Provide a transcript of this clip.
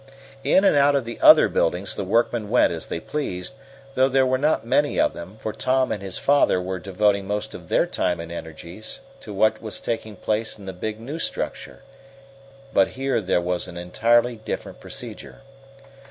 In and out of the other buildings the workmen went as they pleased, though there were not many of them, for Tom and his father were devoting most of their time and energies to what was taking place in the big, new structure. But here there was an entirely different procedure.